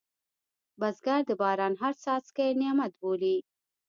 بزګر د باران هر څاڅکی نعمت بولي